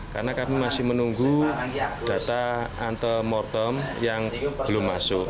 karena kami masih menunggu data anti mortem yang belum masuk